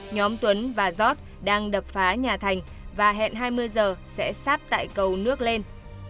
nhóm tuấn và giót đang đập phá nhà thành và hẹn hai mươi giờ sẽ sắp tại cầu nước lên